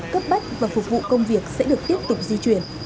cấp bách và phục vụ công việc sẽ được tiếp tục di chuyển